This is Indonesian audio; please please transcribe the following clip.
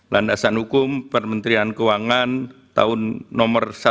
landasan hukum pemerintahan keuangan tahun no satu ratus sembilan puluh tiga